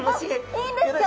いいんですか？